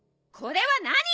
これは何？